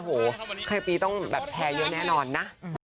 โหคลายปีต้องแพ้เยอะแน่นอนนะ